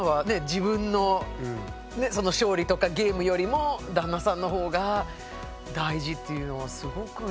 自分の勝利とかゲームよりも旦那さんの方が大事っていうのはすごくいい。